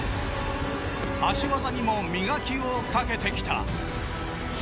足技にも磨きをかけてきた。